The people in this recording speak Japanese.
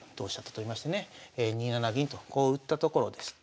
２七銀とこう打ったところです。